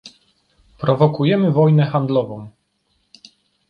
Prowokujemy wojnę handlową